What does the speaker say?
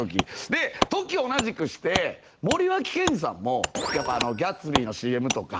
で時を同じくして森脇健児さんもギャツビーのＣＭとか。